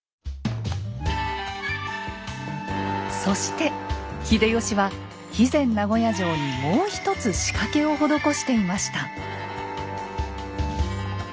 そして秀吉は肥前名護屋城にもうひとつ仕掛けを施していました。